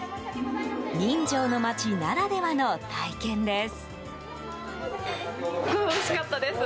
人情の街ならではの体験です。